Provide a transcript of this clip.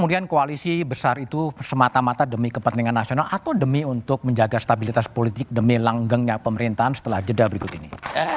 jadi yang besar itu semata mata demi kepentingan nasional atau demi untuk menjaga stabilitas politik demi langgengnya pemerintahan setelah jeda berikut ini